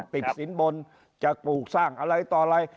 ติดสินบนจะปลูกสร้างอะไรต่ออะไร